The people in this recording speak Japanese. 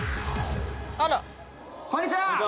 あらこんにちは